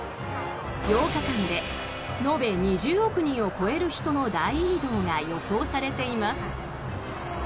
８日間で延べ２０億人を超える人の大移動が予想されています。